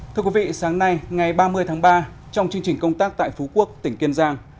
thưa quý vị sáng nay ngày ba mươi tháng ba trong chương trình công tác tại phú quốc tỉnh kiên giang